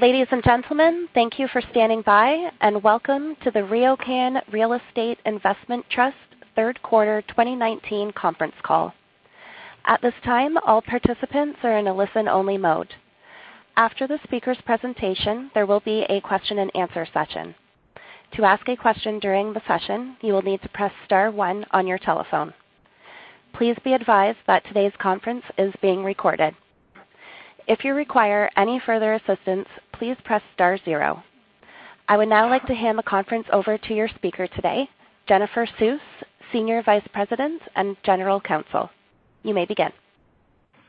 Ladies and gentlemen, thank you for standing by, and welcome to the RioCan Real Estate Investment Trust third quarter 2019 conference call. At this time, all participants are in a listen-only mode. After the speaker's presentation, there will be a question and answer session. To ask a question during the session, you will need to press star one on your telephone. Please be advised that today's conference is being recorded. If you require any further assistance, please press star zero. I would now like to hand the conference over to your speaker today, Jennifer Suess, Senior Vice President and General Counsel. You may begin.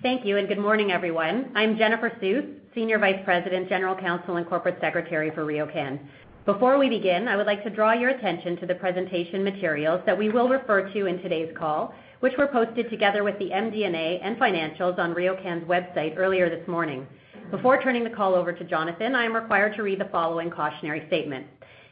Thank you, and good morning, everyone. I'm Jennifer Suess, Senior Vice President, General Counsel, and Corporate Secretary for RioCan. Before we begin, I would like to draw your attention to the presentation materials that we will refer to in today's call, which were posted together with the MD&A and financials on RioCan's website earlier this morning. Before turning the call over to Jonathan, I am required to read the following cautionary statement.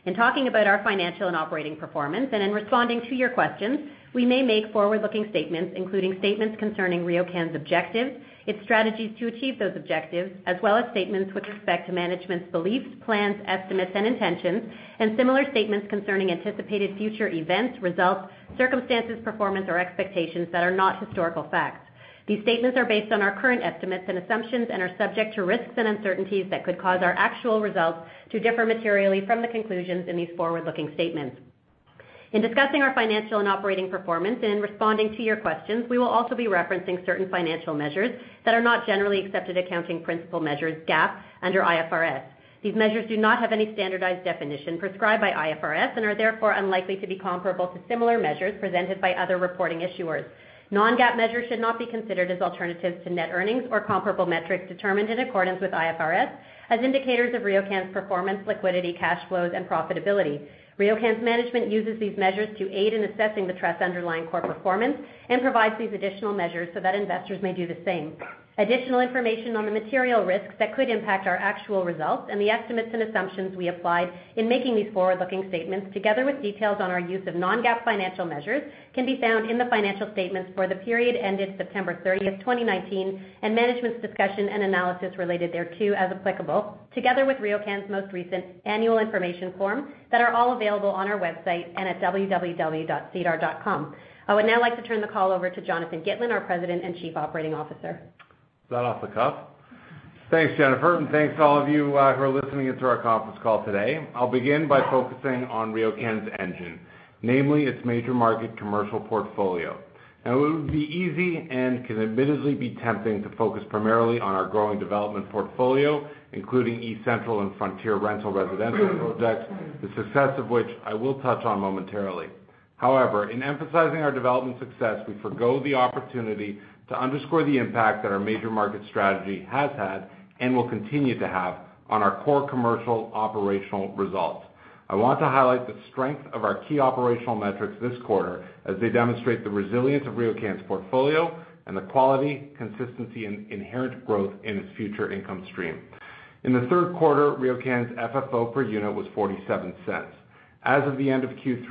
In talking about our financial and operating performance, and in responding to your questions, we may make forward-looking statements, including statements concerning RioCan's objectives, its strategies to achieve those objectives, as well as statements with respect to management's beliefs, plans, estimates, and intentions, and similar statements concerning anticipated future events, results, circumstances, performance, or expectations that are not historical facts. These statements are based on our current estimates and assumptions and are subject to risks and uncertainties that could cause our actual results to differ materially from the conclusions in these forward-looking statements. In discussing our financial and operating performance and in responding to your questions, we will also be referencing certain financial measures that are not generally accepted accounting principle measures, GAAP, under IFRS. These measures do not have any standardized definition prescribed by IFRS and are therefore unlikely to be comparable to similar measures presented by other reporting issuers. Non-GAAP measures should not be considered as alternatives to net earnings or comparable metrics determined in accordance with IFRS as indicators of RioCan's performance, liquidity, cash flows, and profitability. RioCan's management uses these measures to aid in assessing the trust's underlying core performance and provides these additional measures so that investors may do the same. Additional information on the material risks that could impact our actual results and the estimates and assumptions we applied in making these forward-looking statements, together with details on our use of non-GAAP financial measures, can be found in the financial statements for the period ended September 30, 2019, and management's discussion and analysis related thereto as applicable, together with RioCan's most recent annual information form that are all available on our website and at www.sedar.com. I would now like to turn the call over to Jonathan Gitlin, our President and Chief Operating Officer. Is that off the cuff? Thanks, Jennifer, and thanks to all of you who are listening in to our conference call today. I'll begin by focusing on RioCan's engine, namely its major market commercial portfolio. It would be easy and can admittedly be tempting to focus primarily on our growing development portfolio, including eCentral and Frontier rental residential projects, the success of which I will touch on momentarily. In emphasizing our development success, we forgo the opportunity to underscore the impact that our major market strategy has had and will continue to have on our core commercial operational results. I want to highlight the strength of our key operational metrics this quarter as they demonstrate the resilience of RioCan's portfolio and the quality, consistency, and inherent growth in its future income stream. In the third quarter, RioCan's FFO per unit was 0.47. As of the end of Q3,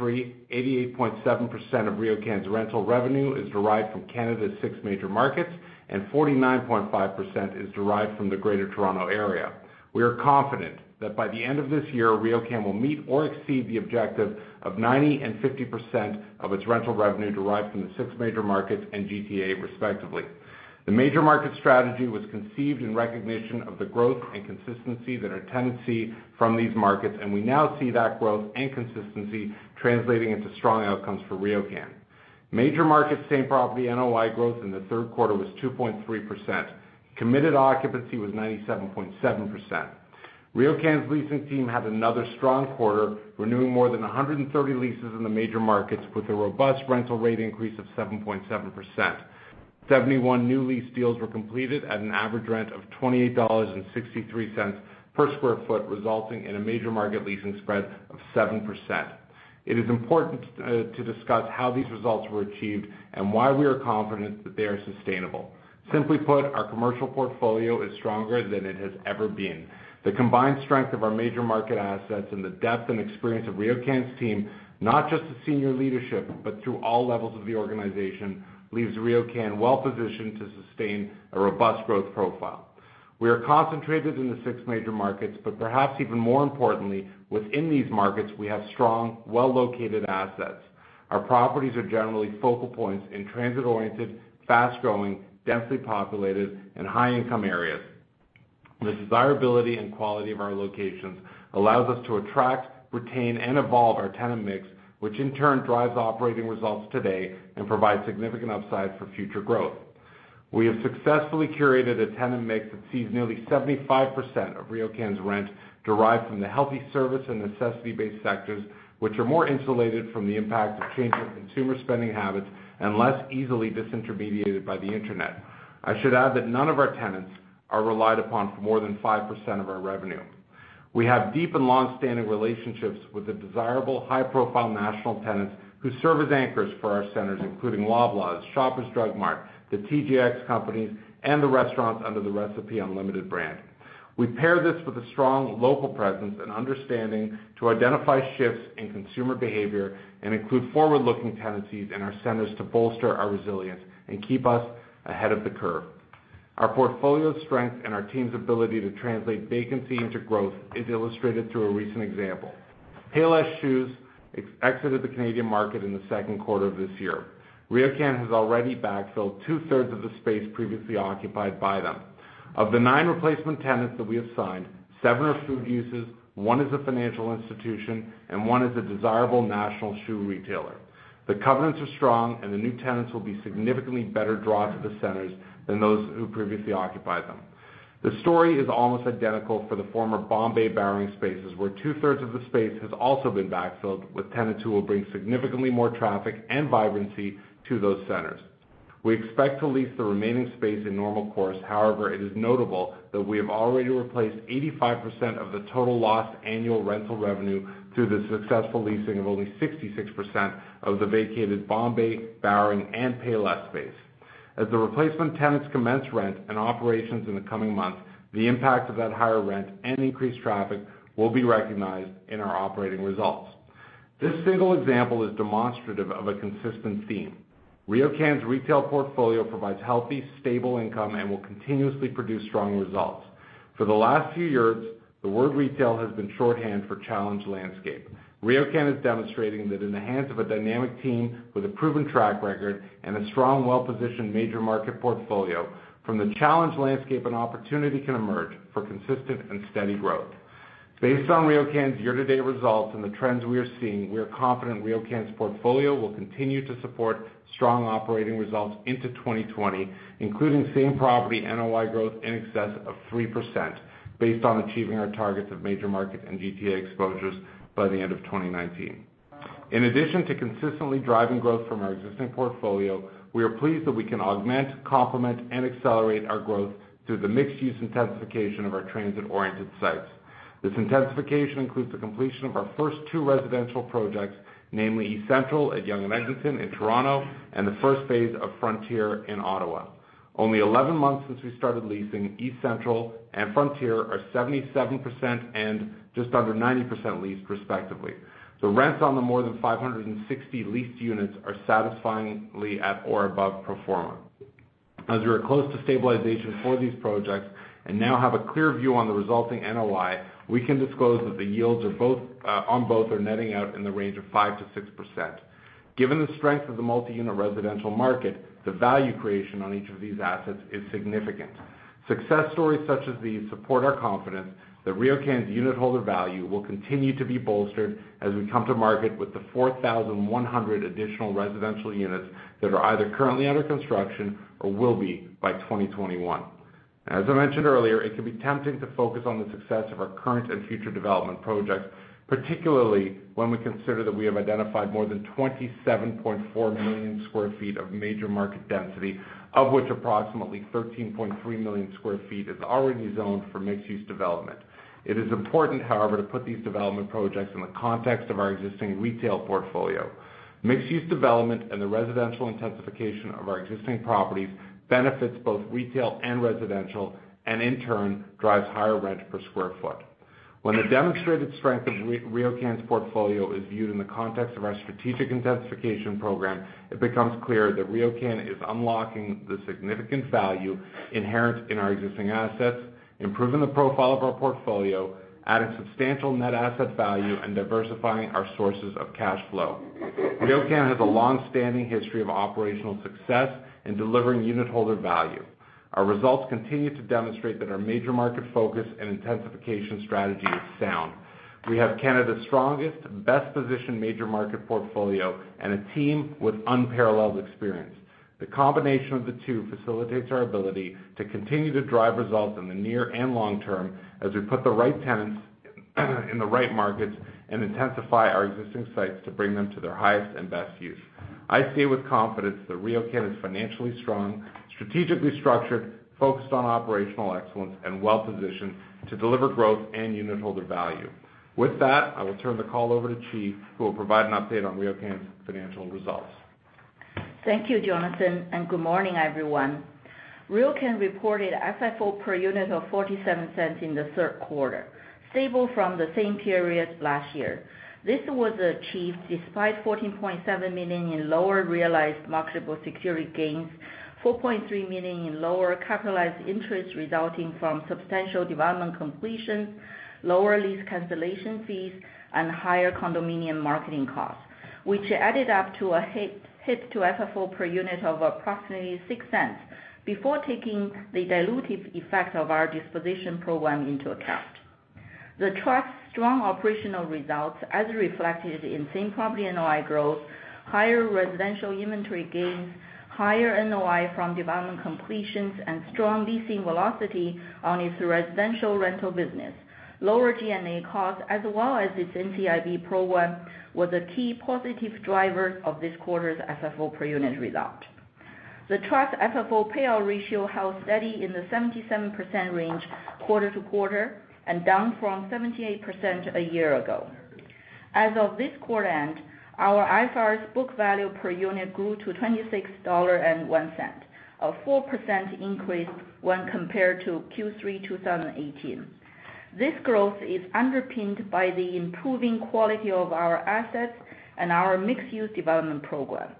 88.7% of RioCan's rental revenue is derived from Canada's six major markets, and 49.5% is derived from the Greater Toronto Area. We are confident that by the end of this year, RioCan will meet or exceed the objective of 90% and 50% of its rental revenue derived from the six major markets and GTA, respectively. The major market strategy was conceived in recognition of the growth and consistency that our tenancy from these markets, and we now see that growth and consistency translating into strong outcomes for RioCan. Major market same-property NOI growth in the third quarter was 2.3%. Committed occupancy was 97.7%. RioCan's leasing team had another strong quarter, renewing more than 130 leases in the major markets with a robust rental rate increase of 7.7%. 71 new lease deals were completed at an average rent of 28.63 dollars per square foot, resulting in a major market leasing spread of 7%. It is important to discuss how these results were achieved and why we are confident that they are sustainable. Simply put, our commercial portfolio is stronger than it has ever been. The combined strength of our major market assets and the depth and experience of RioCan's team, not just the senior leadership, but through all levels of the organization, leaves RioCan well-positioned to sustain a robust growth profile. We are concentrated in the six major markets, but perhaps even more importantly, within these markets, we have strong, well-located assets. Our properties are generally focal points in transit-oriented, fast-growing, densely populated, and high-income areas. The desirability and quality of our locations allows us to attract, retain, and evolve our tenant mix, which in turn drives operating results today and provides significant upside for future growth. We have successfully curated a tenant mix that sees nearly 75% of RioCan's rent derived from the healthy service and necessity-based sectors, which are more insulated from the impact of changing consumer spending habits and less easily disintermediated by the Internet. I should add that none of our tenants are relied upon for more than 5% of our revenue. We have deep and longstanding relationships with the desirable high-profile national tenants who serve as anchors for our centers, including Loblaws, Shoppers Drug Mart, The TJX Companies, and the restaurants under the Recipe Unlimited brand. We pair this with a strong local presence and understanding to identify shifts in consumer behavior and include forward-looking tenancies in our centers to bolster our resilience and keep us ahead of the curve. Our portfolio strength and our team's ability to translate vacancy into growth is illustrated through a recent example. Payless Shoes exited the Canadian market in the second quarter of this year. RioCan has already backfilled two-thirds of the space previously occupied by them. Of the nine replacement tenants that we have signed, seven are food uses, one is a financial institution, and one is a desirable national shoe retailer. The covenants are strong, the new tenants will be significantly better draw to the centers than those who previously occupied them. The story is almost identical for the former Bombay Bowring spaces, where two-thirds of the space has also been backfilled with tenants who will bring significantly more traffic and vibrancy to those centers. We expect to lease the remaining space in normal course. It is notable that we have already replaced 85% of the total lost annual rental revenue through the successful leasing of only 66% of the vacated Bombay, Bowring, and Payless space. As the replacement tenants commence rent and operations in the coming months, the impact of that higher rent and increased traffic will be recognized in our operating results. This single example is demonstrative of a consistent theme. RioCan's retail portfolio provides healthy, stable income and will continuously produce strong results. For the last few years, the word retail has been shorthand for challenged landscape. RioCan is demonstrating that in the hands of a dynamic team with a proven track record and a strong, well-positioned major market portfolio, from the challenged landscape an opportunity can emerge for consistent and steady growth. Based on RioCan's year-to-date results and the trends we are seeing, we are confident RioCan's portfolio will continue to support strong operating results into 2020, including same-property NOI growth in excess of 3%, based on achieving our targets of major market and GTA exposures by the end of 2019. In addition to consistently driving growth from our existing portfolio, we are pleased that we can augment, complement, and accelerate our growth through the mixed-use intensification of our transit-oriented sites. This intensification includes the completion of our first 2 residential projects, namely eCentral at Yonge and Eglinton in Toronto and the first phase of Frontier in Ottawa. Only 11 months since we started leasing, eCentral and Frontier are 77% and just under 90% leased respectively. Rents on the more than 560 leased units are satisfyingly at or above pro forma. As we are close to stabilization for these projects and now have a clear view on the resulting NOI, we can disclose that the yields on both are netting out in the range of 5% to 6%. Given the strength of the multi-unit residential market, the value creation on each of these assets is significant. Success stories such as these support our confidence that RioCan's unitholder value will continue to be bolstered as we come to market with the 4,100 additional residential units that are either currently under construction or will be by 2021. As I mentioned earlier, it can be tempting to focus on the success of our current and future development projects, particularly when we consider that we have identified more than 27.4 million sq ft of major market density, of which approximately 13.3 million sq ft is already zoned for mixed-use development. It is important, however, to put these development projects in the context of our existing retail portfolio. Mixed-use development and the residential intensification of our existing properties benefits both retail and residential, and in turn, drives higher rent per sq ft. When the demonstrated strength of RioCan's portfolio is viewed in the context of our strategic intensification program, it becomes clear that RioCan is unlocking the significant value inherent in our existing assets, improving the profile of our portfolio, adding substantial net asset value, and diversifying our sources of cash flow. RioCan has a long-standing history of operational success in delivering unitholder value. Our results continue to demonstrate that our major market focus and intensification strategy is sound. We have Canada's strongest, best-positioned major market portfolio and a team with unparalleled experience. The combination of the two facilitates our ability to continue to drive results in the near and long term as we put the right tenants in the right markets and intensify our existing sites to bring them to their highest and best use. I say with confidence that RioCan is financially strong, strategically structured, focused on operational excellence, and well-positioned to deliver growth and unitholder value. With that, I will turn the call over to Qi, who will provide an update on RioCan's financial results. Thank you, Jonathan, good morning, everyone. RioCan reported FFO per unit of 0.47 in the third quarter, stable from the same period last year. This was achieved despite 14.7 million in lower realized marketable security gains, 4.3 million in lower capitalized interest resulting from substantial development completions, lower lease cancellation fees, and higher condominium marketing costs, which added up to a hit to FFO per unit of approximately 0.06 before taking the dilutive effect of our disposition program into account. The Trust's strong operational results, as reflected in same-property NOI growth, higher residential inventory gains, higher NOI from development completions, and strong leasing velocity on its residential rental business, lower G&A costs as well as its NCIB program, was a key positive driver of this quarter's FFO per unit result. The Trust's FFO payout ratio held steady in the 77% range quarter to quarter and down from 78% a year ago. As of this quarter end, our IFRS book value per unit grew to 26.01 dollar, a 4% increase when compared to Q3 2018. This growth is underpinned by the improving quality of our assets and our mixed-use development program.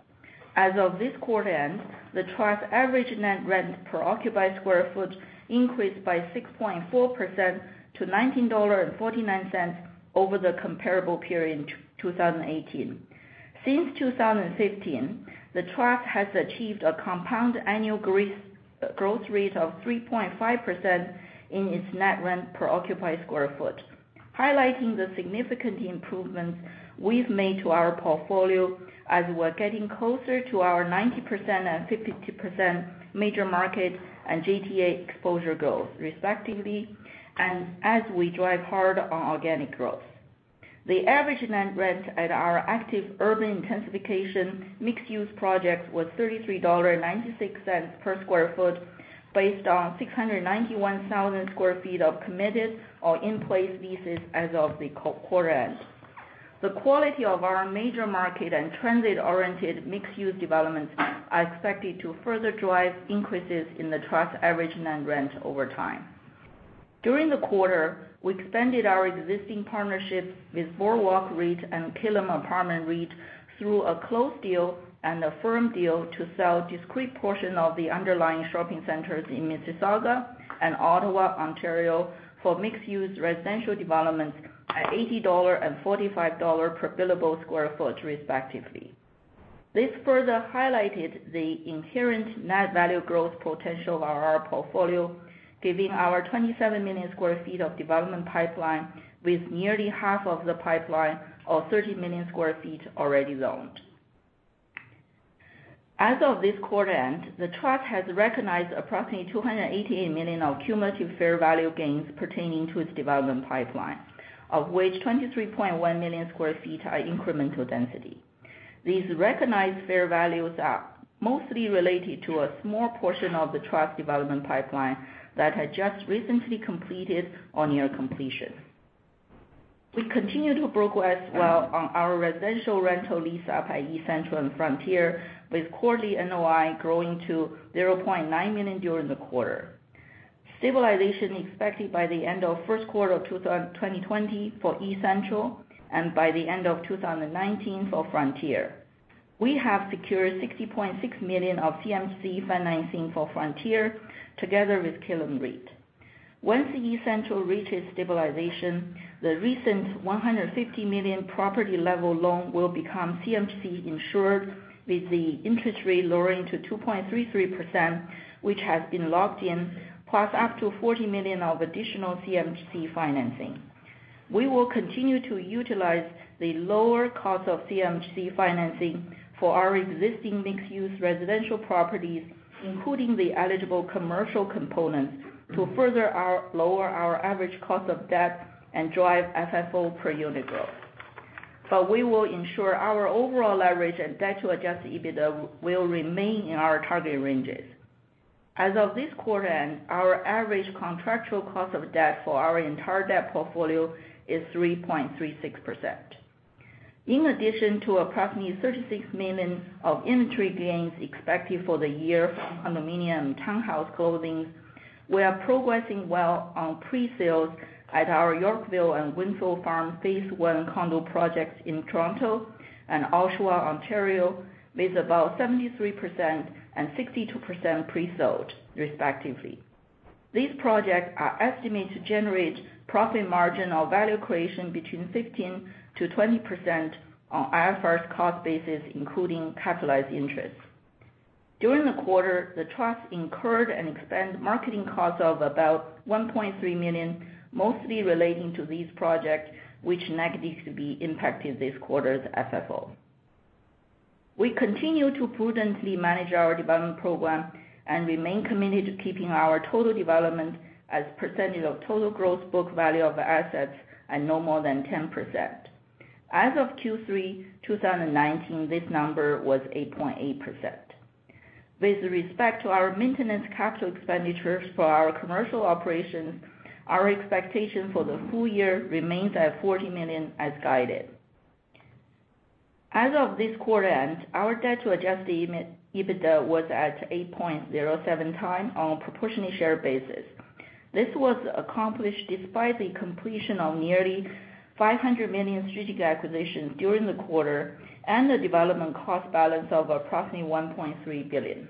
As of this quarter end, the Trust's average net rent per occupied square foot increased by 6.4% to 19.49 dollar over the comparable period in 2018. Since 2015, the Trust has achieved a compound annual growth rate of 3.5% in its net rent per occupied square foot, highlighting the significant improvements we've made to our portfolio as we're getting closer to our 90% and 50% major market and GTA exposure goals, respectively, and as we drive hard on organic growth. The average net rent at our active urban intensification mixed-use projects was 33.96 dollar per sq ft based on 691,000 sq ft of committed or in-place leases as of the quarter end. The quality of our major market and transit-oriented mixed-use developments are expected to further drive increases in the Trust's average net rent over time. During the quarter, we expanded our existing partnerships with Boardwalk REIT and Killam Apartment REIT through a closed deal and a firm deal to sell discrete portion of the underlying shopping centers in Mississauga and Ottawa, Ontario, for mixed-use residential developments at 80 dollar and 45 dollar per billable sq ft, respectively. This further highlighted the inherent net value growth potential of our portfolio, giving our 27 million sq ft of development pipeline, with nearly half of the pipeline, or 30 million sq ft, already zoned. As of this quarter end, the Trust has recognized approximately 288 million of cumulative fair value gains pertaining to its development pipeline, of which 23.1 million sq ft are incremental density. These recognized fair values are mostly related to a small portion of the Trust's development pipeline that had just recently completed on year completion. We continue to progress well on our residential rental lease-up at eCentral and Frontier, with quarterly NOI growing to 0.9 million during the quarter. Stabilization expected by the end of first quarter of 2020 for eCentral and by the end of 2019 for Frontier. We have secured 60.6 million of CMHC financing for Frontier together with Killam REIT. Once eCentral reaches stabilization, the recent 150 million property-level loan will become CMHC-insured with the interest rate lowering to 2.33%, which has been locked in, plus up to 40 million of additional CMHC financing. We will continue to utilize the lower cost of CMHC financing for our existing mixed-use residential properties, including the eligible commercial components, to further lower our average cost of debt and drive FFO per unit growth. We will ensure our overall leverage and debt to adjusted EBITDA will remain in our target ranges. As of this quarter end, our average contractual cost of debt for our entire debt portfolio is 3.36%. In addition to approximately 36 million of inventory gains expected for the year from condominium and townhouse closings, we are progressing well on pre-sales at our Yorkville and Windfields Farm phase one condo projects in Toronto and Oshawa, Ontario, with about 73% and 62% pre-sold, respectively. These projects are estimated to generate profit margin or value creation between 15%-20% on IFRS cost basis, including capitalized interest. During the quarter, the Trust incurred and expensed marketing costs of about 1.3 million, mostly relating to these projects, which negatively impacted this quarter's FFO. We continue to prudently manage our development program and remain committed to keeping our total development as a percentage of total gross book value of assets at no more than 10%. As of Q3 2019, this number was 8.8%. With respect to our maintenance capital expenditures for our commercial operations, our expectation for the full year remains at 40 million as guided. As of this quarter end, our debt to adjusted EBITDA was at 8.07 times on a proportionally share basis. This was accomplished despite the completion of nearly 500 million strategic acquisitions during the quarter and the development cost balance of approximately 1.3 billion.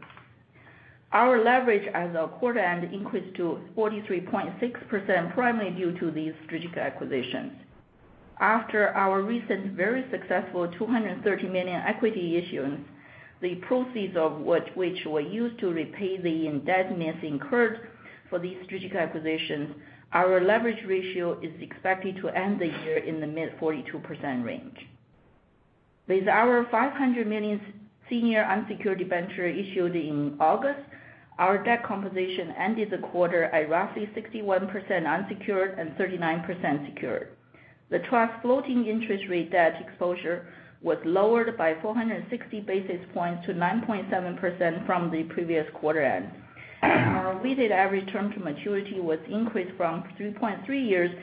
Our leverage as of quarter end increased to 43.6%, primarily due to these strategic acquisitions. After our recent very successful 230 million equity issuance, the proceeds of which were used to repay the indebtedness incurred for these strategic acquisitions, our leverage ratio is expected to end the year in the mid-42% range. With our 500 million senior unsecured debenture issued in August, our debt composition ended the quarter at roughly 61% unsecured and 39% secured. The Trust's floating interest rate debt exposure was lowered by 460 basis points to 9.7% from the previous quarter end. Our weighted average term to maturity was increased from 3.3 years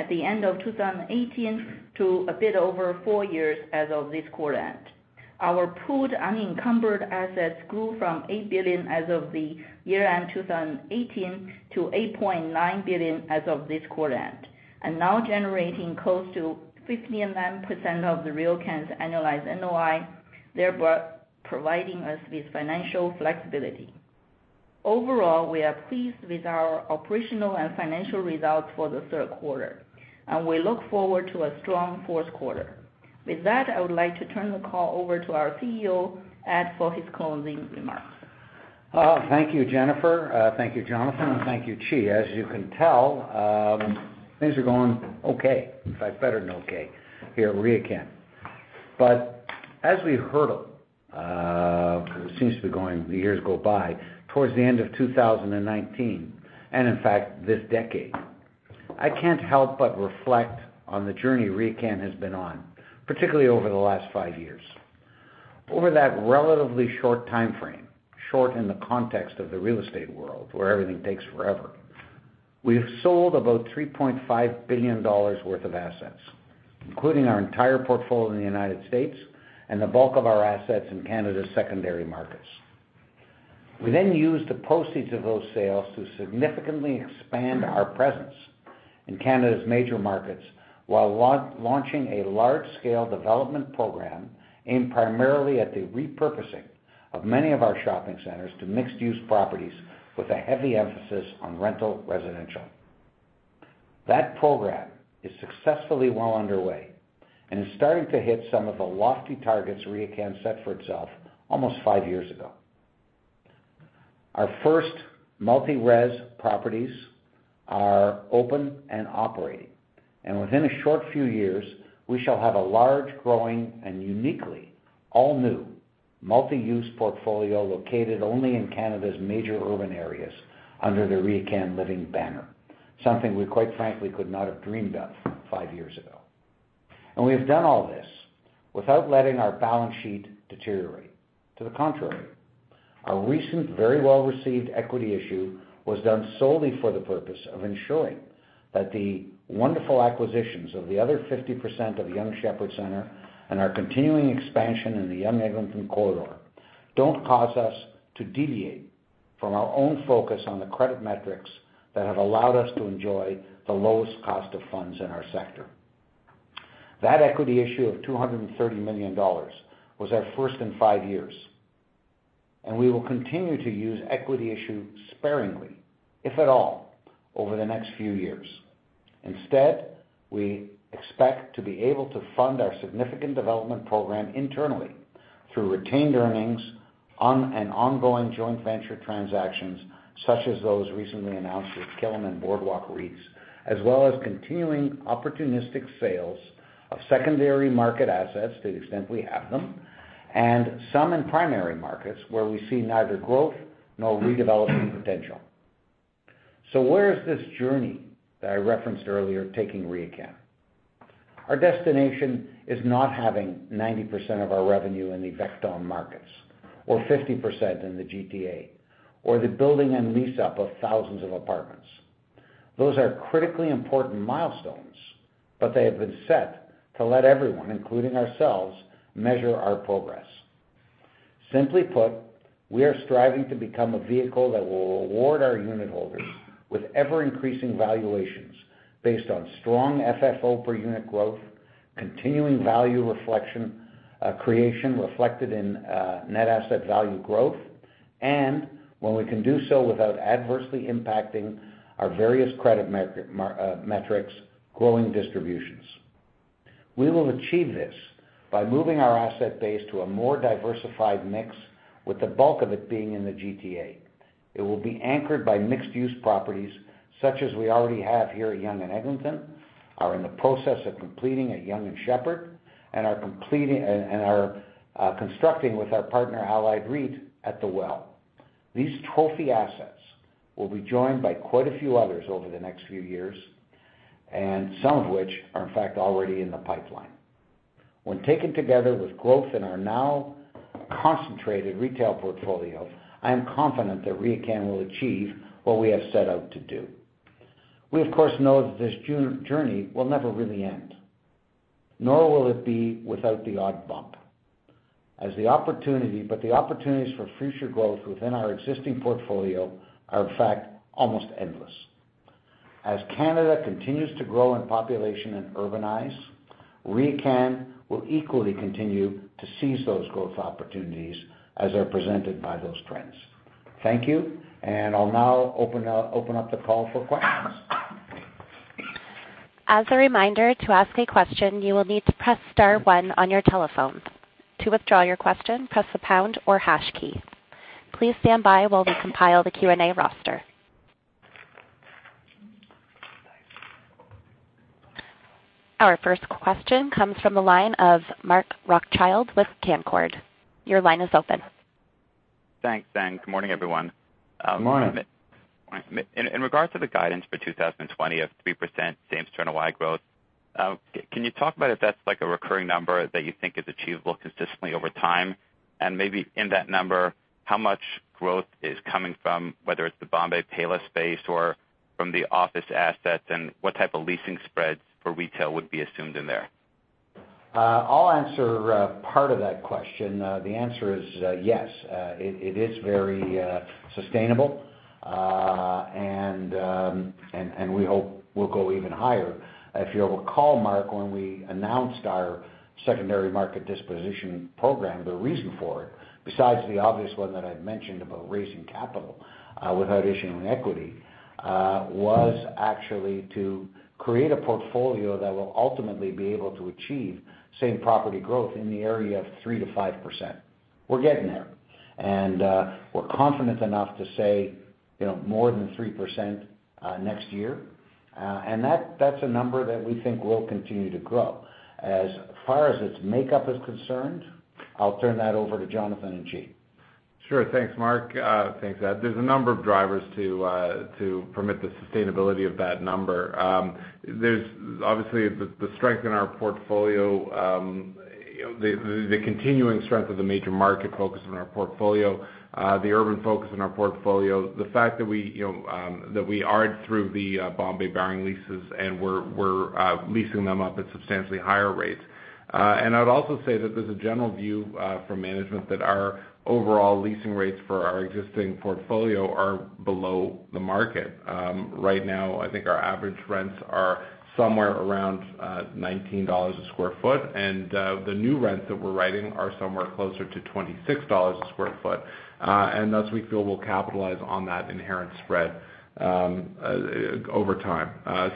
toAt the end of 2018 to a bit over four years as of this quarter. Our pooled unencumbered assets grew from 8 billion as of the year-end 2018 to 8.9 billion as of this quarter end, and now generating close to 59% of the RioCan's annualized NOI, thereby providing us with financial flexibility. Overall, we are pleased with our operational and financial results for the third quarter, and we look forward to a strong fourth quarter. With that, I would like to turn the call over to our CEO, Ed, for his closing remarks. Thank you, Jennifer. Thank you, Jonathan, and thank you, Qi. As you can tell, things are going okay. In fact, better than okay here at RioCan. As we hurtle, it seems to be the years go by, towards the end of 2019, and in fact, this decade, I can't help but reflect on the journey RioCan has been on, particularly over the last five years. Over that relatively short time frame, short in the context of the real estate world, where everything takes forever, we have sold about 3.5 billion dollars worth of assets, including our entire portfolio in the U.S. and the bulk of our assets in Canada's secondary markets. We used the proceeds of those sales to significantly expand our presence in Canada's major markets while launching a large-scale development program aimed primarily at the repurposing of many of our shopping centers to mixed-use properties with a heavy emphasis on rental residential. That program is successfully well underway and is starting to hit some of the lofty targets RioCan set for itself almost five years ago. Our first multi-res properties are open and operating, and within a short few years, we shall have a large, growing, and uniquely all-new multi-use portfolio located only in Canada's major urban areas under the RioCan Living banner. Something we quite frankly could not have dreamed of five years ago. We have done all this without letting our balance sheet deteriorate. To the contrary, our recent, very well-received equity issue was done solely for the purpose of ensuring that the wonderful acquisitions of the other 50% of Yonge Sheppard Centre and our continuing expansion in the Yonge-Eglinton corridor don't cause us to deviate from our own focus on the credit metrics that have allowed us to enjoy the lowest cost of funds in our sector. That equity issue of 230 million dollars was our first in five years, and we will continue to use equity issue sparingly, if at all, over the next few years. Instead, we expect to be able to fund our significant development program internally through retained earnings and ongoing joint venture transactions, such as those recently announced with Killam and Boardwalk REITs, as well as continuing opportunistic sales of secondary market assets to the extent we have them, and some in primary markets where we see neither growth nor redeveloping potential. Where is this journey that I referenced earlier taking RioCan? Our destination is not having 90% of our revenue in the six major markets or 50% in the GTA or the building and lease up of thousands of apartments. Those are critically important milestones, they have been set to let everyone, including ourselves, measure our progress. Simply put, we are striving to become a vehicle that will reward our unitholders with ever-increasing valuations based on strong FFO per unit growth, continuing value creation reflected in net asset value growth, and when we can do so without adversely impacting our various credit metrics, growing distributions. We will achieve this by moving our asset base to a more diversified mix, with the bulk of it being in the GTA. It will be anchored by mixed-use properties such as we already have here at Yonge and Eglinton, are in the process of completing at Yonge and Sheppard, and are constructing with our partner, Allied REIT, at The Well. These trophy assets will be joined by quite a few others over the next few years, and some of which are in fact already in the pipeline. When taken together with growth in our now concentrated retail portfolio, I am confident that RioCan will achieve what we have set out to do. We, of course, know that this journey will never really end, nor will it be without the odd bump. The opportunities for future growth within our existing portfolio are, in fact, almost endless. As Canada continues to grow in population and urbanize, RioCan will equally continue to seize those growth opportunities as are presented by those trends. Thank you, and I will now open up the call for questions. As a reminder, to ask a question, you will need to press star one on your telephone. To withdraw your question, press the pound or hash key. Please stand by while we compile the Q&A roster. Our first question comes from the line of Mark Rothschild with Canaccord. Your line is open. Thanks, and good morning, everyone. Good morning. In regard to the guidance for 2020 of 3% same-property NOI growth, can you talk about if that's a recurring number that you think is achievable consistently over time? Maybe in that number, how much growth is coming from, whether it's the Bombay Bowring space or from the office assets, and what type of leasing spreads for retail would be assumed in there? I'll answer part of that question. The answer is yes. It is very sustainable. We hope we'll go even higher. If you'll recall, Mark, when we announced our secondary market disposition program, the reason for it, besides the obvious one that I'd mentioned about raising capital without issuing equity, was actually to create a portfolio that will ultimately be able to achieve same-property growth in the area of 3% to 5%. We're getting there, and we're confident enough to say more than 3% next year. That's a number that we think will continue to grow. As far as its makeup is concerned, I'll turn that over to Jonathan and Qi. Sure. Thanks, Mark. Thanks, Ed. There's a number of drivers to permit the sustainability of that number. There's obviously the strength in our portfolio, the continuing strength of the major market focus in our portfolio, the urban focus in our portfolio, the fact that we are through the Bombay Bowring leases, we're leasing them up at substantially higher rates. I'd also say that there's a general view from management that our overall leasing rates for our existing portfolio are below the market. Right now, I think our average rents are somewhere around 19 dollars a square foot, the new rents that we're writing are somewhere closer to 26 dollars a square foot. Thus, we feel we'll capitalize on that inherent spread over time.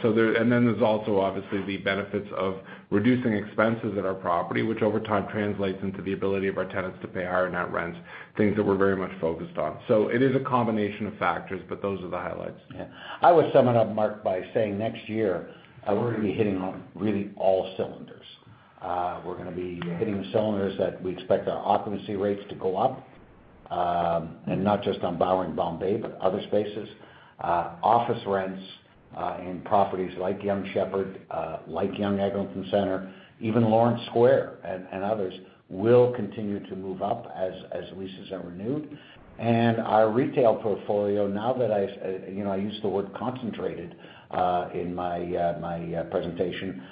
There's also obviously the benefits of reducing expenses at our property, which over time translates into the ability of our tenants to pay higher net rents, things that we're very much focused on. It is a combination of factors, but those are the highlights. Yeah. I would sum it up, Mark, by saying next year, we're going to be hitting on really all cylinders. We're going to be hitting the cylinders that we expect our occupancy rates to go up, and not just on Bowring and Bombay, but other spaces. Office rents in properties like Yonge Sheppard, like Yonge Eglinton Centre, even Lawrence Square, and others will continue to move up as leases are renewed. Our retail portfolio, now that I used the word concentrated in my presentation.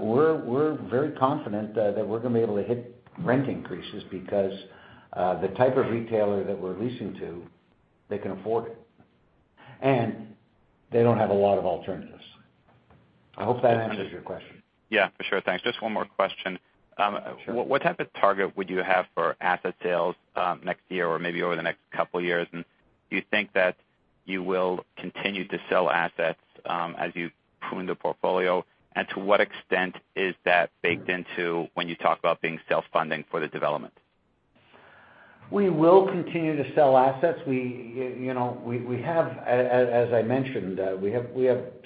We're very confident that we're going to be able to hit rent increases because the type of retailer that we're leasing to, they can afford it. They don't have a lot of alternatives. I hope that answers your question. Yeah, for sure. Thanks. Just one more question. Sure. What type of target would you have for asset sales next year or maybe over the next couple of years? Do you think that you will continue to sell assets as you prune the portfolio? To what extent is that baked into when you talk about being self-funding for the development? We will continue to sell assets. As I mentioned, we have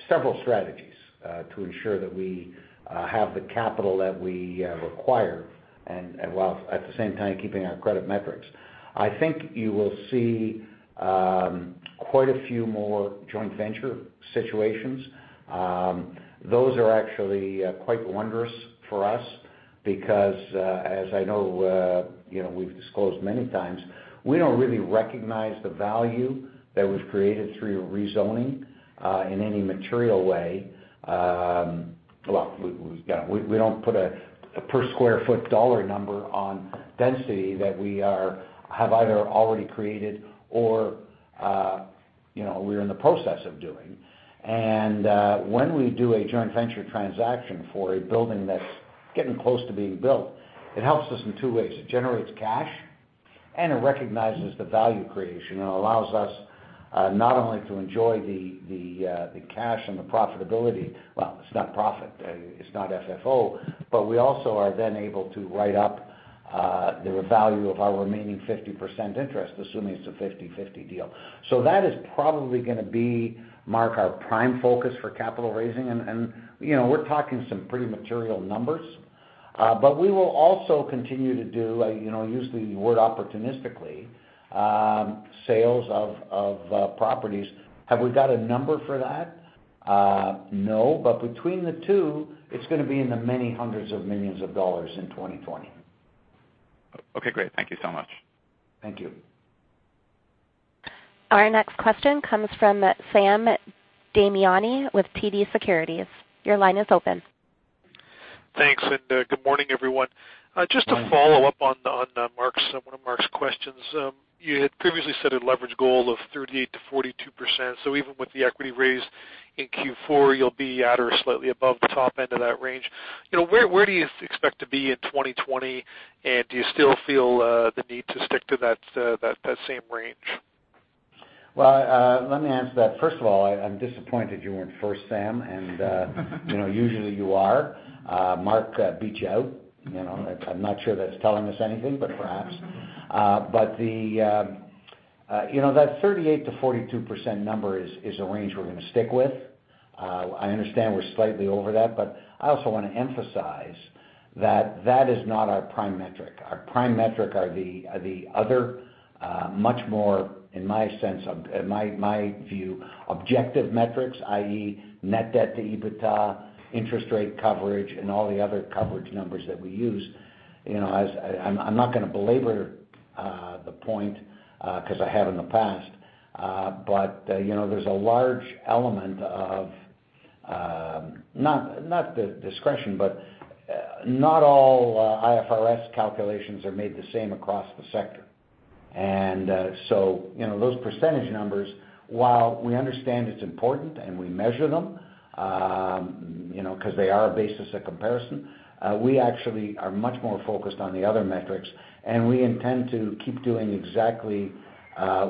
several strategies to ensure that we have the capital that we require, and while at the same time keeping our credit metrics. I think you will see quite a few more joint venture situations. Those are actually quite wondrous for us because, as I know we've disclosed many times, we don't really recognize the value that was created through rezoning in any material way. Well, we don't put a per square foot CAD number on density that we have either already created or we're in the process of doing. When we do a joint venture transaction for a building that's getting close to being built, it helps us in two ways. It generates cash, and it recognizes the value creation and allows us not only to enjoy the cash and the profitability. Well, it's not profit. It's not FFO. We also are then able to write up the value of our remaining 50% interest, assuming it's a 50/50 deal. That is probably going to be, Mark, our prime focus for capital raising, and we're talking some pretty material numbers. We will also continue to do, I use the word opportunistically, sales of properties. Have we got a number for that? No, but between the two, it's going to be in the many hundreds of millions of CAD in 2020. Okay, great. Thank you so much. Thank you. Our next question comes from Sam Damiani with TD Securities. Your line is open. Thanks, and good morning, everyone. Good morning. Just to follow up on one of Mark's questions. You had previously said a leverage goal of 38%-42%. Even with the equity raise in Q4, you'll be at or slightly above the top end of that range. Where do you expect to be in 2020? Do you still feel the need to stick to that same range? Well, let me answer that. First of all, I'm disappointed you weren't first, Sam. Usually you are. Mark beat you out. I'm not sure that's telling us anything, but perhaps. That 38%-42% number is a range we're going to stick with. I understand we're slightly over that, but I also want to emphasize that is not our prime metric. Our prime metric are the other much more, in my view, objective metrics, i.e., net debt to EBITDA, interest rate coverage, and all the other coverage numbers that we use. I'm not going to belabor the point because I have in the past. There's a large element of, not the discretion, but not all IFRS calculations are made the same across the sector. Those percentage numbers, while we understand it's important and we measure them, because they are a basis of comparison, we actually are much more focused on the other metrics, and we intend to keep doing exactly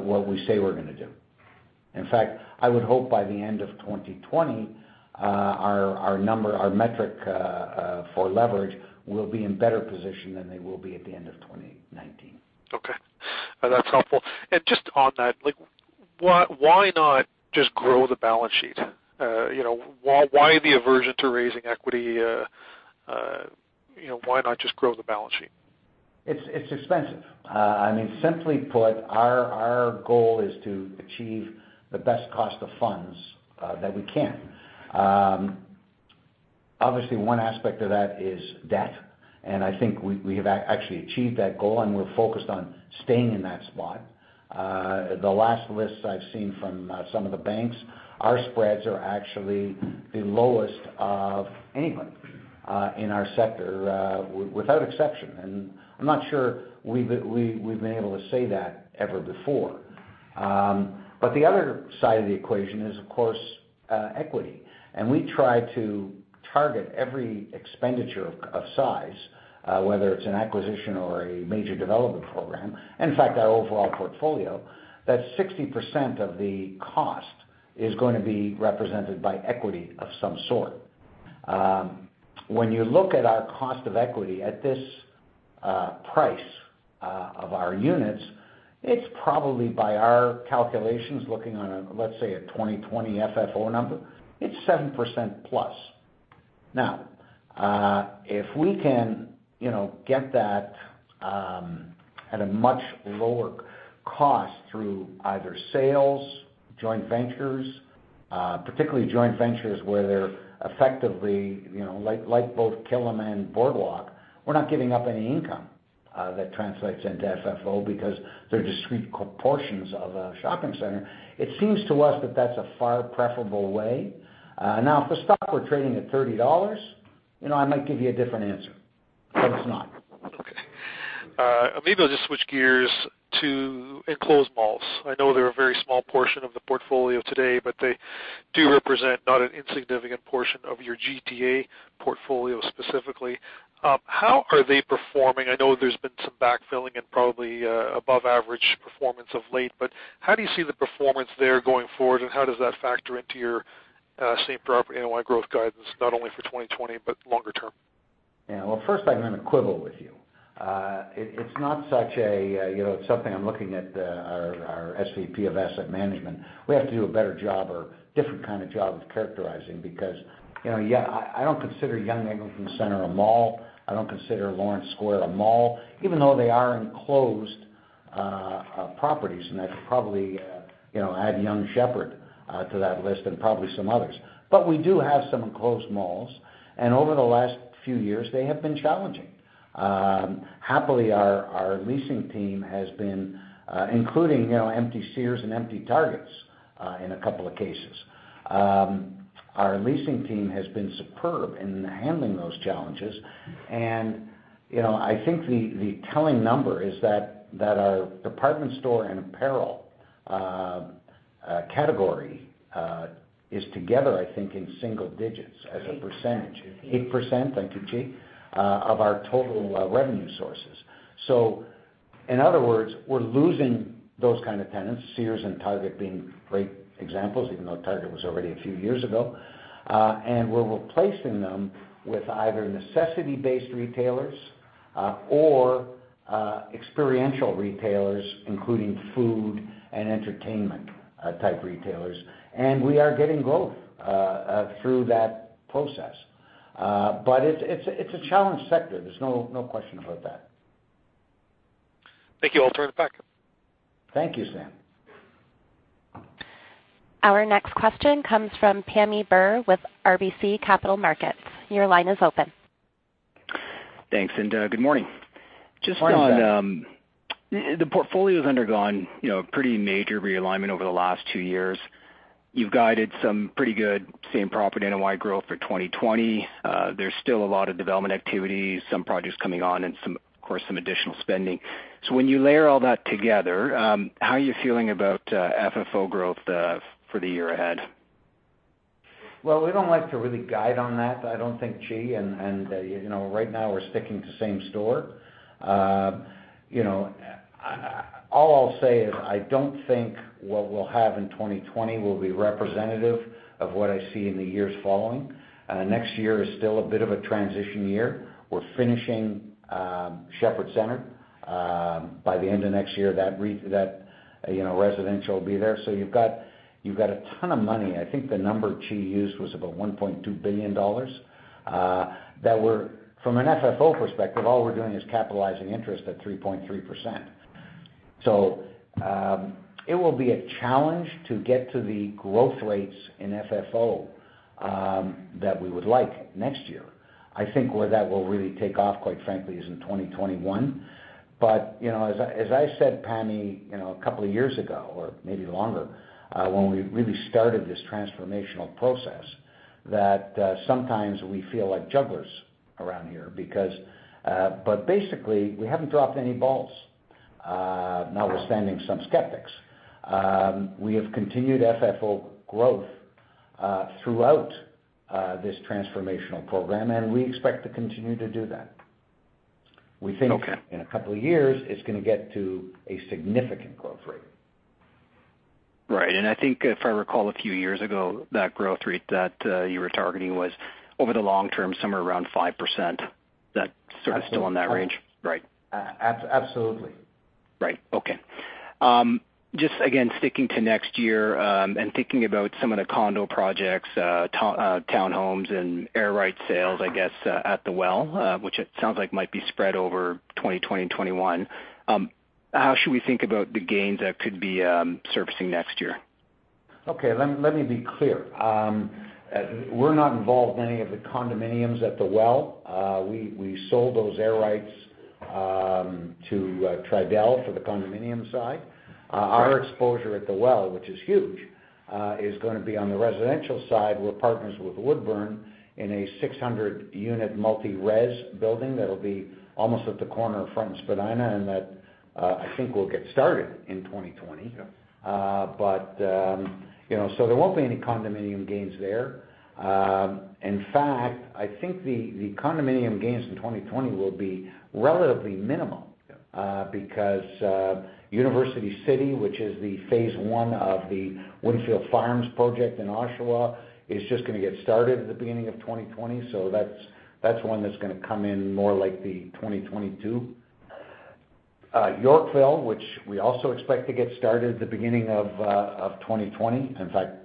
what we say we're going to do. In fact, I would hope by the end of 2020, our metric for leverage will be in better position than they will be at the end of 2019. Okay. That's helpful. Just on that, why not just grow the balance sheet? Why the aversion to raising equity? Why not just grow the balance sheet? It's expensive. Simply put, our goal is to achieve the best cost of funds that we can. Obviously, one aspect of that is debt, and I think we have actually achieved that goal, and we're focused on staying in that spot. The last lists I've seen from some of the banks, our spreads are actually the lowest of anyone in our sector, without exception. I'm not sure we've been able to say that ever before. The other side of the equation is, of course, equity. We try to target every expenditure of size, whether it's an acquisition or a major development program, and in fact, our overall portfolio, that 60% of the cost is going to be represented by equity of some sort. When you look at our cost of equity at this price of our units, it's probably by our calculations, looking on, let's say, a 2020 FFO number, it's 7% plus. Now, if we can get that at a much lower cost through either sales, joint ventures, particularly joint ventures where they're effectively, like both Killam and Boardwalk, we're not giving up any income that translates into FFO because they're discrete portions of a shopping center. It seems to us that that's a far preferable way. Now, if the stock were trading at 30 dollars, I might give you a different answer. It's not. Okay. Maybe I'll just switch gears to enclosed malls. I know they're a very small portion of the portfolio today, but they do represent not an insignificant portion of your GTA portfolio, specifically. How are they performing? I know there's been some backfilling and probably above average performance of late, but how do you see the performance there going forward, and how does that factor into your same-property NOI growth guidance, not only for 2020, but longer term? Yeah. Well, first I'm going to quibble with you. It's something I'm looking at our SVP of asset management. We have to do a better job or different kind of job of characterizing, because I don't consider Yonge Eglinton Centre a mall. I don't consider Lawrence Square a mall, even though they are enclosed properties. I could probably add Yonge Sheppard to that list and probably some others. We do have some enclosed malls, and over the last few years, they have been challenging. Including empty Sears and empty Targets in a couple of cases. Our leasing team has been superb in handling those challenges. I think the telling number is that our department store and apparel category is together, I think, in single digits as a percentage. Eight %. 8%. Thank you, Qi. Of our total revenue sources. In other words, we're losing those kind of tenants, Sears and Target being great examples, even though Target was already a few years ago. We're replacing them with either necessity-based retailers or experiential retailers, including food and entertainment type retailers. We are getting growth through that process. It's a challenged sector. There's no question about that. Thank you. I'll turn it back. Thank you, Sam. Our next question comes from Pammi Bir with RBC Capital Markets. Your line is open. Thanks, and good morning. Morning. The portfolio has undergone pretty major realignment over the last two years. You've guided some pretty good same-property NOI growth for 2020. There's still a lot of development activity, some projects coming on and of course, some additional spending. When you layer all that together, how are you feeling about FFO growth for the year ahead? Well, we don't like to really guide on that, I don't think, Qi. Right now we're sticking to same store. All I'll say is I don't think what we'll have in 2020 will be representative of what I see in the years following. Next year is still a bit of a transition year. We're finishing Sheppard Centre. By the end of next year, that residential will be there. You've got a ton of money. I think the number Qi used was about 1.2 billion dollars. From an FFO perspective, all we're doing is capitalizing interest at 3.3%. It will be a challenge to get to the growth rates in FFO that we would like next year. I think where that will really take off, quite frankly, is in 2021. As I said, Pammi, a couple of years ago, or maybe longer, when we really started this transformational process, that sometimes we feel like jugglers around here. Basically, we haven't dropped any balls, notwithstanding some skeptics. We have continued FFO growth throughout this transformational program, and we expect to continue to do that. Okay. We think in a couple of years, it's going to get to a significant growth rate. Right. I think if I recall a few years ago, that growth rate that you were targeting was over the long term, somewhere around 5%. That sort of still in that range? Right. Absolutely. Right. Okay. Just again, sticking to next year, and thinking about some of the condo projects, townhomes, and air right sales, I guess, at The Well, which it sounds like might be spread over 2020 and 2021. How should we think about the gains that could be surfacing next year? Okay. Let me be clear. We're not involved in any of the condominiums at The Well. We sold those air rights to Tridel for the condominium side. Our exposure at The Well, which is huge, is going to be on the residential side. We're partners with Woodbourne in a 600-unit multi-res building that'll be almost at the corner of Front and Spadina, and that, I think will get started in 2020. Yeah. There won't be any condominium gains there. In fact, I think the condominium gains in 2020 will be relatively minimal. Yeah University City, which is the phase one of the Windfields Farm project in Oshawa, is just going to get started at the beginning of 2020. That's one that's going to come in more like the 2022. Yorkville, which we also expect to get started at the beginning of 2020. In fact,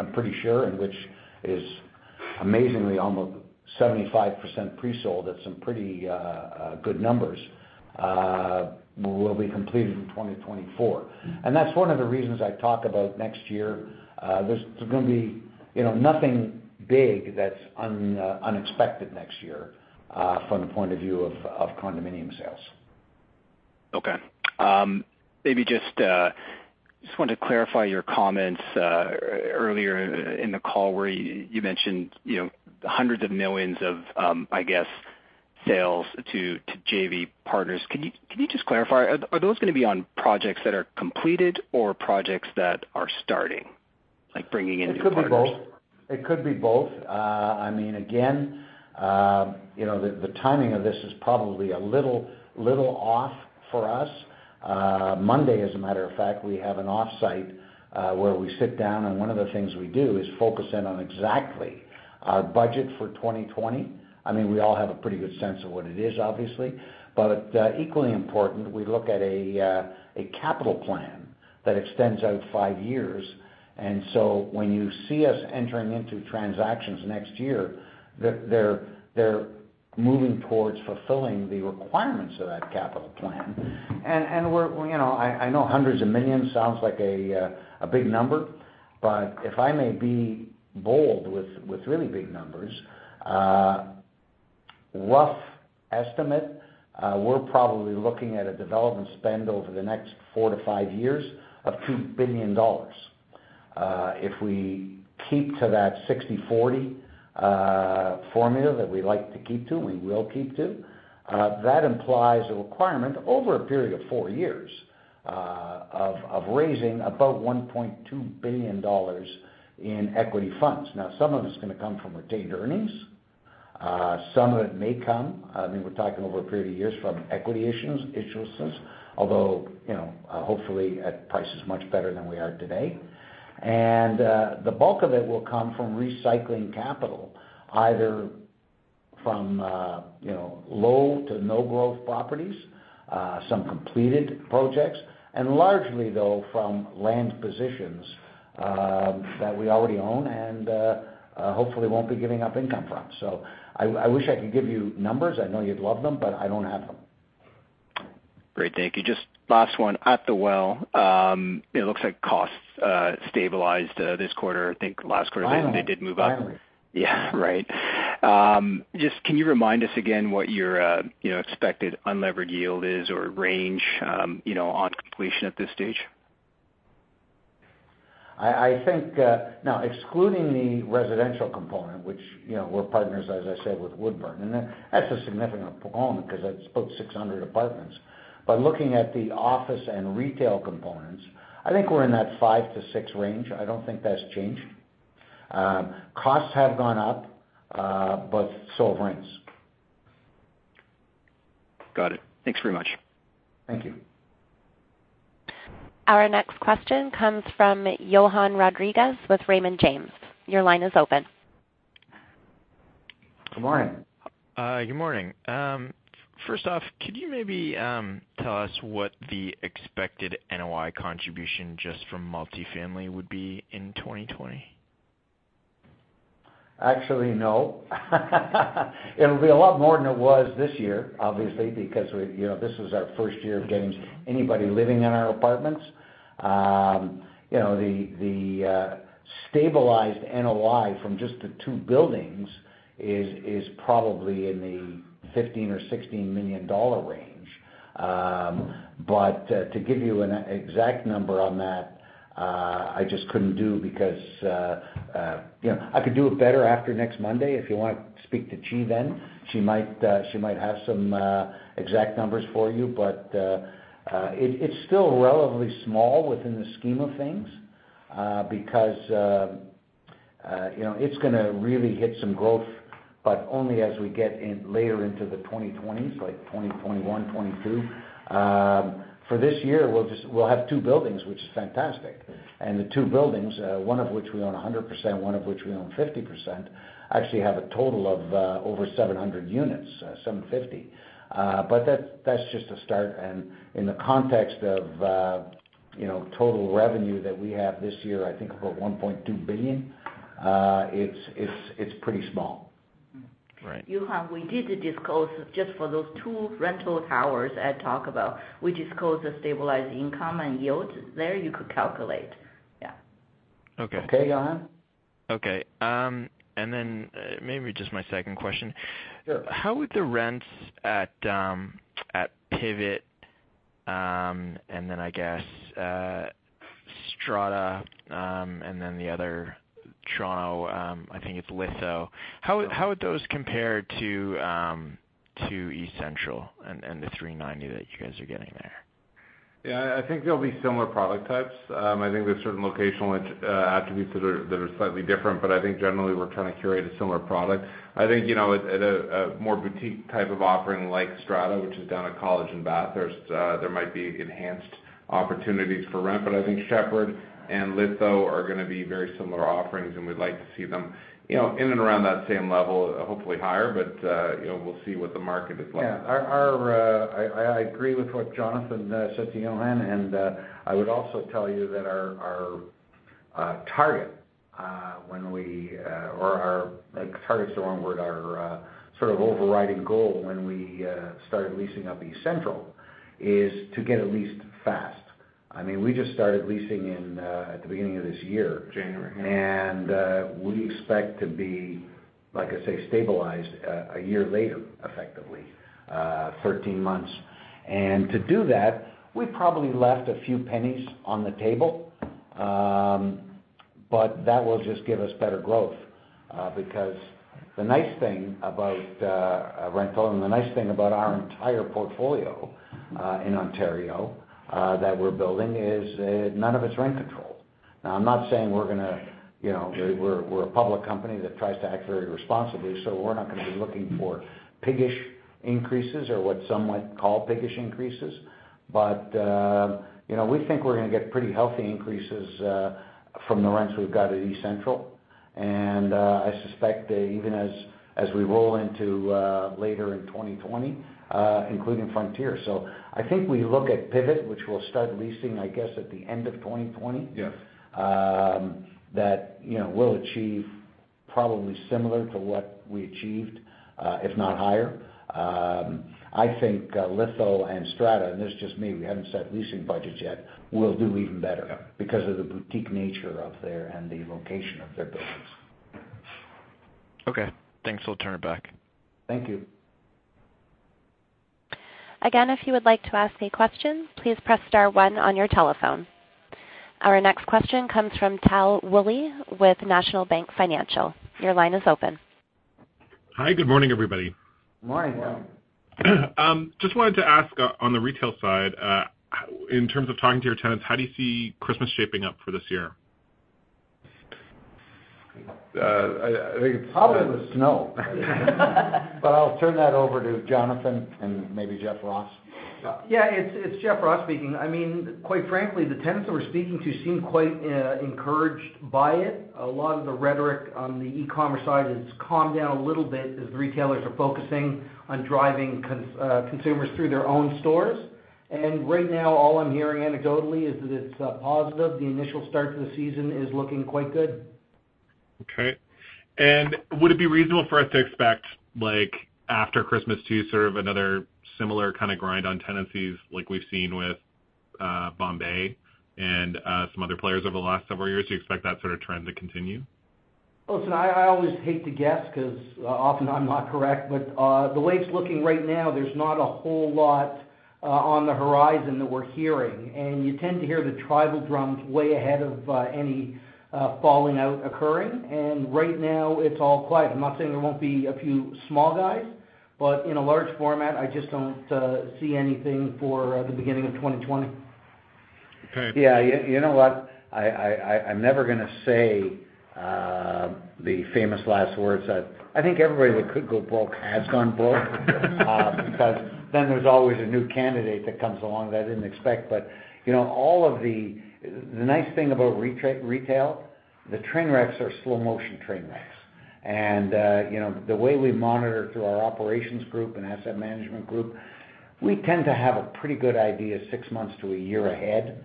I'm pretty sure, and which is amazingly almost 75% pre-sold at some pretty good numbers, will be completed in 2024. That's one of the reasons I talk about next year. There's going to be nothing big that's unexpected next year, from the point of view of condominium sales. Maybe just wanted to clarify your comments earlier in the call where you mentioned hundreds of millions of CAD, I guess, sales to JV partners. Can you just clarify, are those going to be on projects that are completed or projects that are starting, like bringing in new partners? It could be both. Again, the timing of this is probably a little off for us. Monday, as a matter of fact, we have an offsite, where we sit down, and one of the things we do is focus in on exactly our budget for 2020. We all have a pretty good sense of what it is, obviously. Equally important, we look at a capital plan that extends out five years. When you see us entering into transactions next year, they're moving towards fulfilling the requirements of that capital plan. I know hundreds of millions sounds like a big number. If I may be bold with really big numbers, rough estimate, we're probably looking at a development spend over the next four to five years of 2 billion dollars. If we keep to that 60/40 formula that we like to keep to, and we will keep to, that implies a requirement over a period of four years, of raising about 1.2 billion dollars in equity funds. Some of it's going to come from retained earnings. Some of it may come, we're talking over a period of years from equity issuances, although, hopefully at prices much better than we are today. The bulk of it will come from recycling capital, either from low to no growth properties. Some completed projects. Largely though from land positions, that we already own and hopefully won't be giving up income from. I wish I could give you numbers. I know you'd love them, but I don't have them. Great. Thank you. Just last one. At The Well, it looks like costs stabilized this quarter. I think last quarter they did move up. Finally. Yeah. Right. Can you remind us again what your expected unlevered yield is or range on completion at this stage? Excluding the residential component, which we're partners, as I said, with Woodbourne. That's a significant component because that's about 600 apartments. Looking at the office and retail components, I think we're in that five to six range. I don't think that's changed. Costs have gone up, but so have rents. Got it. Thanks very much. Thank you. Our next question comes from Johann Rodrigues with Raymond James. Your line is open. Good morning. Good morning. First off, could you maybe tell us what the expected NOI contribution just from multifamily would be in 2020? Actually, no. It'll be a lot more than it was this year, obviously, because this was our first year of getting anybody living in our apartments. The stabilized NOI from just the two buildings is probably in the 15 million or 16 million dollar range. To give you an exact number on that, I just couldn't do because I could do it better after next Monday, if you want to speak to Qi then. She might have some exact numbers for you. It's still relatively small within the scheme of things, because it's going to really hit some growth, only as we get later into the 2020s, like 2021, 2022. For this year, we'll have two buildings, which is fantastic. The two buildings, one of which we own 100%, one of which we own 50%, actually have a total of over 700 units, 750. That's just a start. In the context of total revenue that we have this year, I think about 1.2 billion, it's pretty small. Right. Johann, we did disclose just for those two rental towers Ed talk about, we disclosed the stabilized income and yields there. You could calculate. Yeah. Okay. Okay, Johann? Okay. Maybe just my second question. Sure. How would the rents at Pivot, and then I guess Strada, and then the other Toronto, I think it's Litho, compare to eCentral and the 390 that you guys are getting there? I think they'll be similar product types. I think there's certain locational attributes that are slightly different. I think generally we're trying to curate a similar product. I think, at a more boutique type of offering like Strada, which is down at College and Bathurst, there might be enhanced opportunities for rent. I think Sheppard and Litho are going to be very similar offerings, and we'd like to see them in and around that same level, hopefully higher. We'll see what the market is like. Yeah. I agree with what Jonathan said to you, Johann. I would also tell you that. Target's the wrong word. Our sort of overriding goal when we started leasing up eCentral is to get it leased fast. We just started leasing in at the beginning of this year. January. We expect to be, like I say, stabilized a year later, effectively. 13 months. To do that, we probably left a few pennies on the table. That will just give us better growth, because the nice thing about rental, and the nice thing about our entire portfolio in Ontario that we're building is none of it's rent-controlled. Now, I'm not saying we're a public company that tries to act very responsibly, so we're not going to be looking for piggish increases or what some might call piggish increases. We think we're going to get pretty healthy increases from the rents we've got at eCentral. I suspect that even as we roll into later in 2020, including Frontier. I think we look at Pivot, which we'll start leasing, I guess, at the end of 2020. Yes. That we'll achieve probably similar to what we achieved, if not higher. I think Litho and Strada, and this is just me, we haven't set leasing budgets yet, will do even better. Yeah. Because of the boutique nature of their, and the location of their buildings. Okay. Thanks. We'll turn it back. Thank you. Again, if you would like to ask any questions, please press star one on your telephone. Our next question comes from Tal Woolley with National Bank Financial. Your line is open. Hi. Good morning, everybody. Morning, Tal. Just wanted to ask on the retail side, in terms of talking to your tenants, how do you see Christmas shaping up for this year? I think it's probably the snow. I'll turn that over to Jonathan and maybe Jeff Ross. Yeah. It's Jeff Ross speaking. Quite frankly, the tenants that we're speaking to seem quite encouraged by it. A lot of the rhetoric on the e-commerce side has calmed down a little bit as retailers are focusing on driving consumers through their own stores. Right now all I'm hearing anecdotally is that it's positive. The initial start to the season is looking quite good. Okay. Would it be reasonable for us to expect after Christmas to sort of another similar kind of grind on tenancies like we've seen with Bombay and some other players over the last several years? Do you expect that sort of trend to continue? Listen, I always hate to guess because often I'm not correct. The way it's looking right now, there's not a whole lot on the horizon that we're hearing, and you tend to hear the tribal drums way ahead of any falling out occurring. Right now it's all quiet. I'm not saying there won't be a few small guys, but in a large format, I just don't see anything for the beginning of 2020. Okay. You know what? The famous last words. I think everybody that could go broke has gone broke. There's always a new candidate that comes along that I didn't expect. The nice thing about retail, the train wrecks are slow motion train wrecks. The way we monitor through our operations group and asset management group, we tend to have a pretty good idea six months to a year ahead.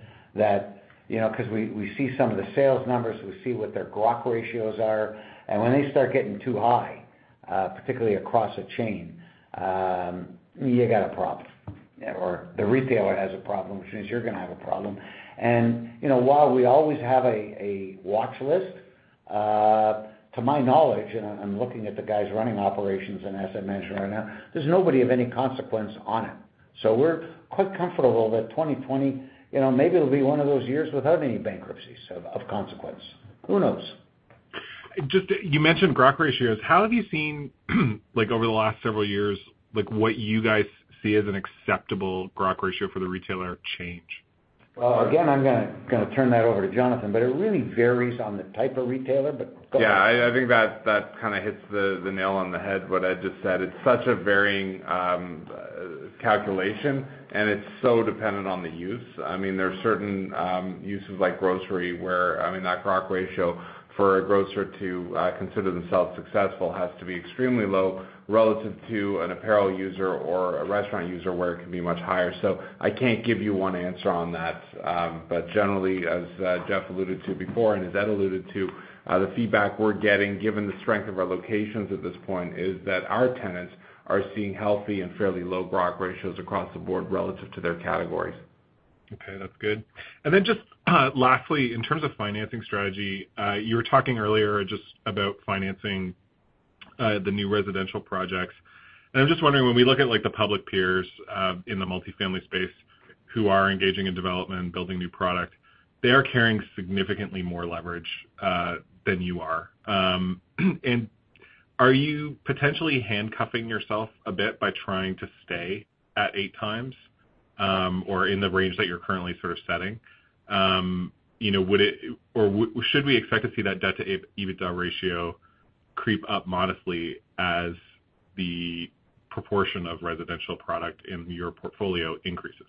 We see some of the sales numbers, we see what their GROC ratios are. When they start getting too high, particularly across a chain, you got a problem. The retailer has a problem, which means you're going to have a problem. While we always have a watch list, to my knowledge, and I'm looking at the guys running operations and asset management right now, there's nobody of any consequence on it. We're quite comfortable that 2020, maybe it'll be one of those years without any bankruptcies of consequence. Who knows? Just, you mentioned GROC ratio. How have you seen over the last several years, what you guys see as an acceptable GROC ratio for the retailer change? Well, again, I'm going to turn that over to Jonathan. It really varies on the type of retailer. Go ahead. Yeah, I think that kind of hits the nail on the head, what Ed just said. It's such a varying calculation, it's so dependent on the use. There are certain uses like grocery where that groc ratio for a grocer to consider themselves successful has to be extremely low relative to an apparel user or a restaurant user where it can be much higher. I can't give you one answer on that. Generally, as Jeff alluded to before, and as Ed alluded to, the feedback we're getting, given the strength of our locations at this point, is that our tenants are seeing healthy and fairly low GROC ratios across the board relative to their categories. Okay, that's good. Then just lastly, in terms of financing strategy, you were talking earlier just about financing the new residential projects. I'm just wondering, when we look at the public peers in the multi-family space who are engaging in development and building new product, they are carrying significantly more leverage than you are. Are you potentially handcuffing yourself a bit by trying to stay at 8x, or in the range that you're currently sort of setting? Or should we expect to see that debt-to-EBITDA ratio creep up modestly as the proportion of residential product in your portfolio increases?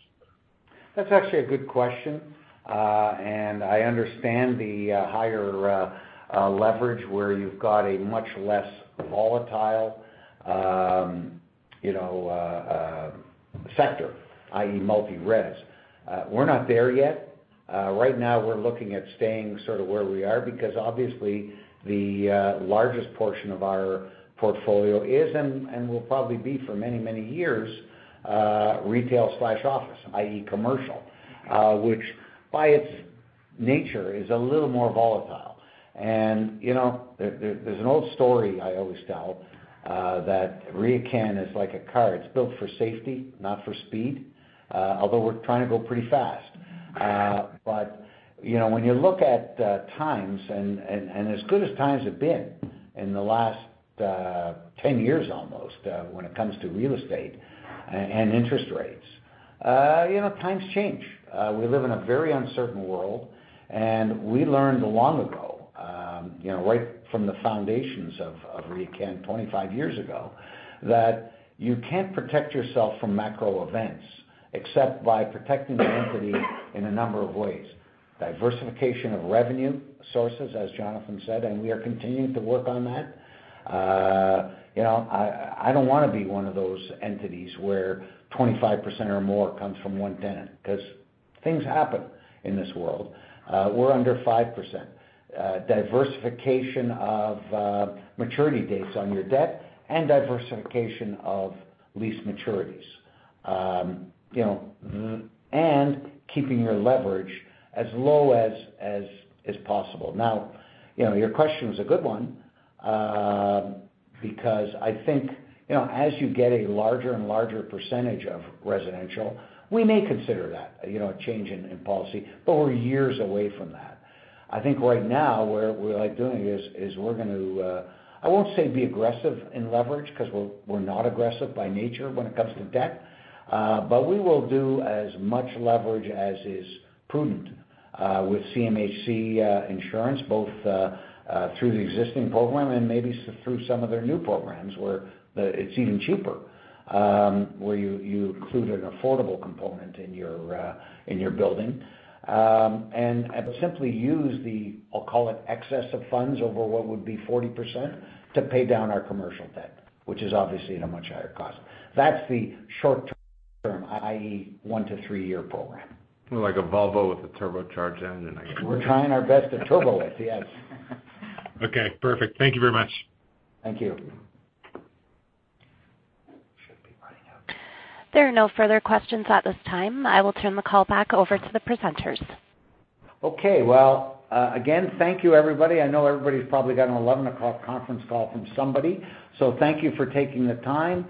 That's actually a good question. I understand the higher leverage where you've got a much less volatile sector, i.e., multi-res. We're not there yet. Right now we're looking at staying sort of where we are because obviously the largest portion of our portfolio is, and will probably be for many, many years, retail/office, i.e., commercial, which by its nature is a little more volatile. There's an old story I always tell, that RioCan is like a car. It's built for safety, not for speed. Although we're trying to go pretty fast. When you look at times, and as good as times have been in the last 10 years almost, when it comes to real estate and interest rates, times change. We live in a very uncertain world. We learned long ago, right from the foundations of RioCan 25 years ago, that you can't protect yourself from macro events except by protecting the entity in a number of ways. Diversification of revenue sources, as Jonathan said. We are continuing to work on that. I don't want to be one of those entities where 25% or more comes from one tenant, because things happen in this world. We're under 5%. Diversification of maturity dates on your debt. Diversification of lease maturities. Keeping your leverage as low as possible. Now, your question was a good one, because I think as you get a larger and larger percentage of residential, we may consider that, a change in policy. We're years away from that. I think right now, what we like doing is we're going to, I won't say be aggressive in leverage, because we're not aggressive by nature when it comes to debt. We will do as much leverage as is prudent, with CMHC insurance, both through the existing program and maybe through some of their new programs where it's even cheaper, where you include an affordable component in your building. Simply use the, I'll call it excess of funds over what would be 40%, to pay down our commercial debt, which is obviously at a much higher cost. That's the short-term, i.e., one to three-year program. More like a Volvo with a turbocharged engine, I guess. We're trying our best to turbo it. Yes. Okay, perfect. Thank you very much. Thank you. Should be running out. There are no further questions at this time. I will turn the call back over to the presenters. Okay. Well, again, thank you everybody. I know everybody's probably got an 11 o'clock conference call from somebody. Thank you for taking the time.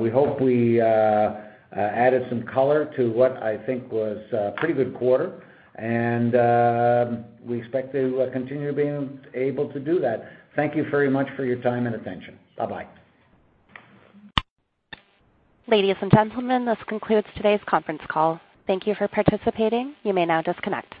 We hope we added some color to what I think was a pretty good quarter. We expect to continue being able to do that. Thank you very much for your time and attention. Bye-bye. Ladies and gentlemen, this concludes today's conference call. Thank you for participating. You may now disconnect.